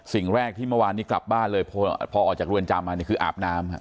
สิ่งแรกที่เมื่อวานนี้กลับบ้านเลยพอออกจากเรือนจำมาเนี่ยคืออาบน้ำ